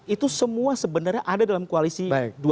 itu semua sebenarnya ada dalam koalisi dua satu dua